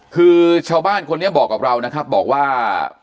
คือชาวบ้านคนนี้บอกกับเรานะครับบอกว่า